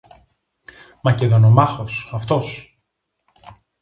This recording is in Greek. Μακεδονομάχος, αυτός!